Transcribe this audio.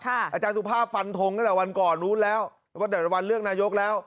อาจารย์สุภาพฟันทงตั้งแต่วันก่อนนู้นแล้วว่าแต่ละวันเลือกนายกแล้ว